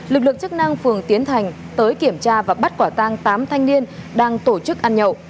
lực lượng chức năng phường tiến thành tới kiểm tra và bắt quả tang tám thanh niên đang tổ chức ăn nhậu